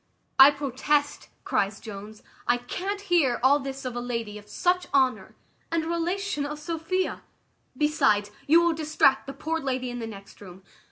"I protest," cries Jones, "I can't hear all this of a lady of such honour, and a relation of Sophia; besides, you will distract the poor lady in the next room.